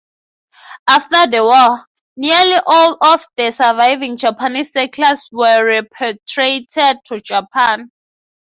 After the war, nearly all of the surviving Japanese settlers were repatriated to Japan.